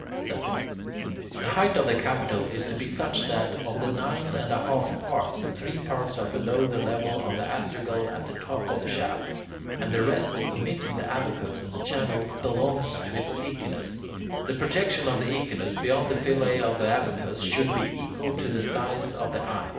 7. The height of the capital is to be such that, of the nine and a half parts, three parts are below the level of the astragal at the top of the shaft, and the rest, omitting the abacus and the channel, belongs to its echinus. The projection of the echinus beyond the fillet of the abacus should be equal to the size of the eye.